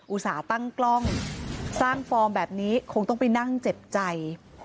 อุตส่าห์ตั้งกล้องสร้างฟอร์มแบบนี้คงต้องไปนั่งเจ็บใจ